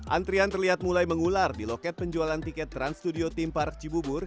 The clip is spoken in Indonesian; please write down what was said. antrian terlihat mulai mengular di loket penjualan tiket trans studio team park cibubur